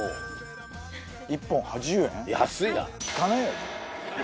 １本８０円？